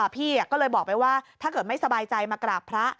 พี่ก็เลยบอกไปว่าถ้าเกิดไม่สบายใจมากราบพระ